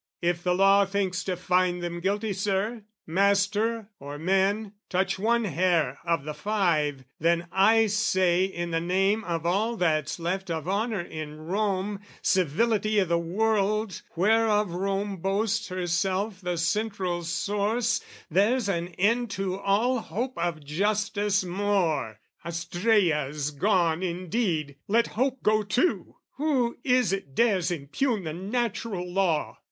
If the law thinks to find them guilty, Sir, Master or men touch one hair of the five, Then I say in the name of all that's left Of honour in Rome, civility i' the world Whereof Rome boasts herself the central source, There's an end to all hope of justice more. AstrAea's gone indeed, let hope go too! Who is it dares impugn the natural law?